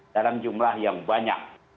dalam jumlah yang banyak